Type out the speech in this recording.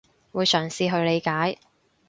會嘗試去理解